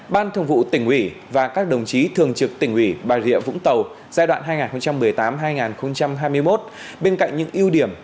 ban thường vụ tỉnh ủy và các đồng chí thường trực tỉnh ủy bà rịa vũng tàu giai đoạn hai nghìn một mươi tám hai nghìn hai mươi một bên cạnh những ưu điểm